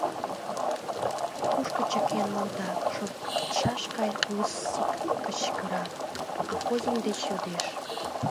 Кушко чыкен улыда? — шортшаш гай Руссин кычкыра, Акозин деч йодеш.